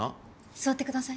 座ってください。